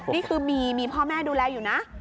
นี่คือมีพ่อแม่ดูแลอยู่นะ